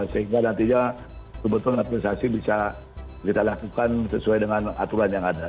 sehingga nantinya kebetulan administrasi bisa kita lakukan sesuai dengan aturan yang ada